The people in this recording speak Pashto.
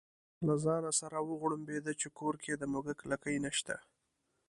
له ځانه سره وغړمبېده چې کور کې د موږک لکۍ نشته.